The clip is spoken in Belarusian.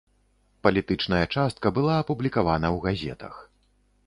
Палітычная частка была апублікавана ў газетах.